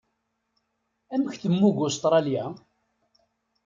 Amek temmug Usetṛalya?